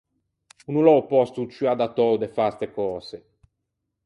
O no l’é o pòsto o ciù adattou da fâ ste cöse.